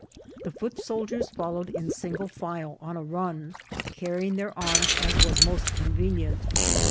The foot soldiers followed in single file on a run, carrying their jarms as was most convenient.